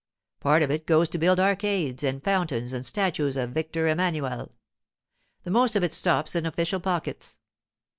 Part of it goes to build arcades and fountains and statues of Victor Emmanuel. The most of it stops in official pockets.